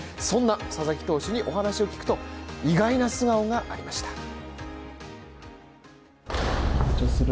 そんな佐々木投手にお話を聞くと意外な素顔がありました。